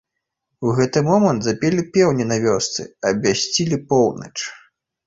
У гэты момант запелі пеўні на вёсцы, абвясцілі поўнач.